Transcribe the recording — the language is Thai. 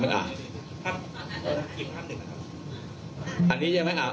อันนี้ยังไม่เอา